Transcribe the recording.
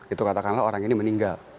itu katakanlah orang ini meninggal